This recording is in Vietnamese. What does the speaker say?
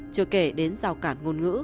chưa kể đến rào cản ngôn ngữ